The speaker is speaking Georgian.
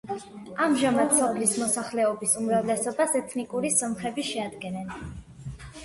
ამჟამად სოფლის მოსახლეობის უმრავლესობას ეთნიკური სომხები შეადგენენ.